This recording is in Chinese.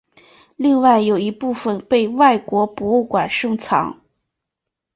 另外有一部份被外国博物馆收藏。